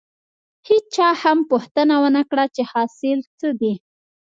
هېچا هم پوښتنه ونه کړه چې حاصل څه دی.